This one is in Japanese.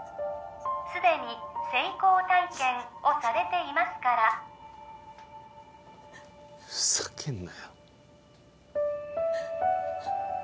すでに成功体験をされていますからふざけんなよ